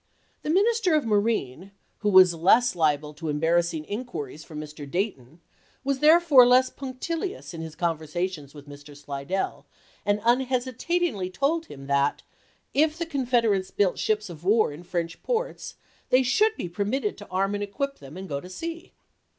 The Minister of Marine, who was less liable to embarrassing inquiries from Mr. Dayton, was therefore less punctilious in his conversation with Mr. Slidell, and unhesitatingly told him that, if the Confederates built ships of war in French ports they should be permitted to arm and equip them and go to sea.